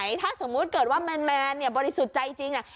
ไปไหนถ้าสมมุติเกิดว่าแมนบริสุทธิ์ใจจริง